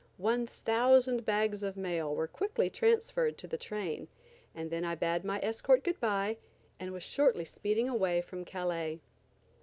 One thousand bags of mail were quickly transferred to the train, and then I bade my escort good bye, and was shortly speeding away from Calais.